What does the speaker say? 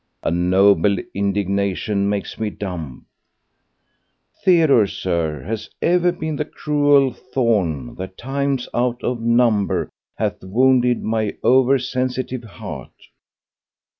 A noble indignation makes me dumb. Theodore, sir, has ever been the cruel thorn that times out of number hath wounded my over sensitive heart.